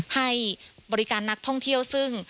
ให้บริการนักท่องเที่ยวซึ่ง